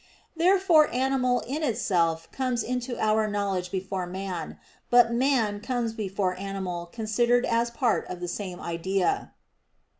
Therefore "animal" in itself comes into our knowledge before "man"; but "man" comes before "animal" considered as part of the same idea.